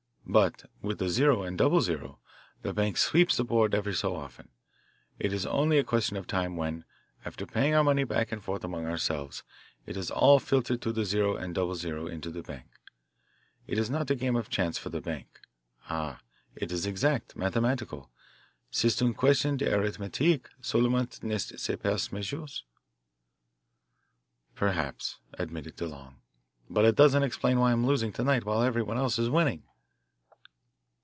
But with the '0' and '00' the bank sweeps the board every so often. It is only a question of time when, after paying our money back and forth among ourselves, it has all filtered through the '0' and '00' into the bank. It is not a game of chance for the bank ah, it is exact, mathematical c'est une question d' arithmetique, seulement, nest ce pas, messieurs?" "Perhaps," admitted DeLong, "but it doesn't explain why I am losing to night while everyone else is winning."